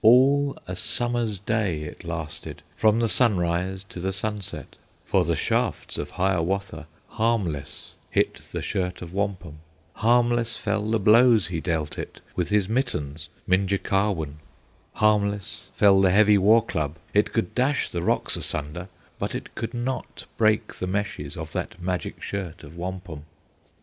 All a Summer's day it lasted, From the sunrise to the sunset; For the shafts of Hiawatha Harmless hit the shirt of wampum, Harmless fell the blows he dealt it With his mittens, Minjekahwun, Harmless fell the heavy war club; It could dash the rocks asunder, But it could not break the meshes Of that magic shirt of wampum.